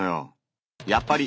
やっぱり。